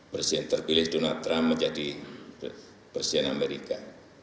presiden terpilih donald trump menjadi presiden amerika